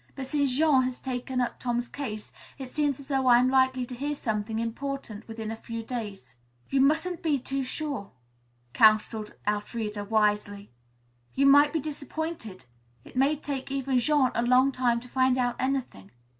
But since Jean has taken up Tom's case, it seems as though I am likely to hear something important within a few days." "You mustn't be too sure," counseled Elfreda wisely. "You might be disappointed. It may take even Jean a long time to find out anything.